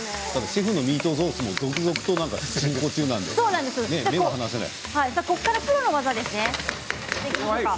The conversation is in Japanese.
シェフのミートソースも続々と目が離せない。